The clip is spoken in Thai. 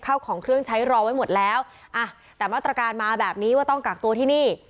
เข้าของเครื่องใช้รอไว้หมดแล้วอ่ะแต่มาตรการมาแบบนี้ว่าต้องกักตัวที่นี่